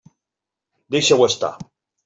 Deixa-ho estar.